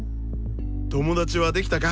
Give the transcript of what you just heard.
友達はできたか？